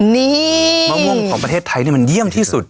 นี่มะม่วงของประเทศไทยมันเยี่ยมที่สุด